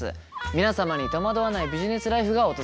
皆様に戸惑わないビジネスライフが訪れますように。